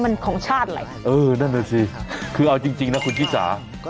มันของชาติอะไรเออนั่นแหละสิคือเอาจริงจริงนะคุณพี่สา